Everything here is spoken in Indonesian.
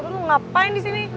lo ngapain disini